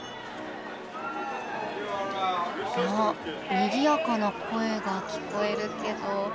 にぎやかな声が聞こえるけど。